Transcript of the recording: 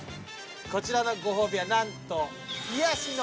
こちらのご褒美はなんと。